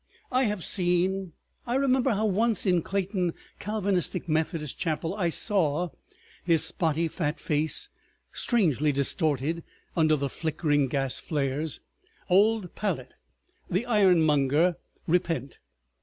... I have seen——— I remember how once in Clayton Calvinistic Methodist chapel I saw—his spotty fat face strangely distorted under the flickering gas flares—old Pallet the ironmonger repent.